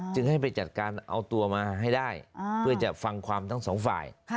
จึงให้ไปจัดการเอาตัวมาให้ได้เพื่อจะฟังความทั้งสองฝ่าย